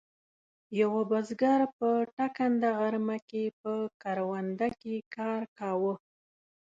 یوه بزګر په ټکنده غرمه کې په کرونده کې کار کاوه.